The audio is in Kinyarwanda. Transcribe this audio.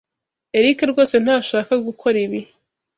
Eric rwose ntashaka gukora ibi.